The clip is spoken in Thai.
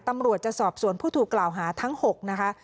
ตำรวจจะสอบสวนผู้ถูกกล่าวหาทั้ง๖นะคะ